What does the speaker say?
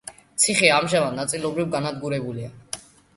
ციხე ამჟამად ნაწილობრივ დანგრეულია.